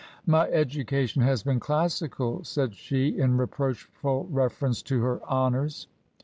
" My education has been classical," said she, in re proachful reference to her " honours."